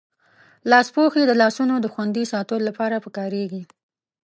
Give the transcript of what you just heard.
لاسپوښي د لاسونو دخوندي ساتلو لپاره پکاریږی.